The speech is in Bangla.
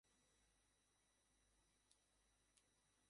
অনেক, ধন্যবাদ, মা - হ্যাঁ।